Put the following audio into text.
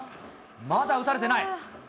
まだ打たれてない。